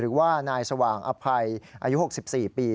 หรือว่านายสว่างอภัยอายุ๖๔ปี